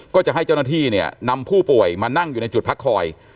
ก็จะให้เจ้าหน้าที่เนี่ยนำผู้ป่วยมานั่งอยู่ในจุดพักคอย